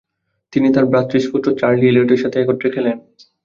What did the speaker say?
তিনি তার ভ্রাতৃষ্পুত্র চার্লি এলিয়টের সাথে একত্রে খেলেন।